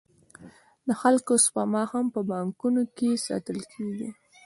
د خلکو سپما هم په بانکونو کې ساتل کېږي